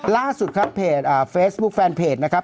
ล่าสุดครับเพจเฟซบุ๊คแฟนเพจนะครับ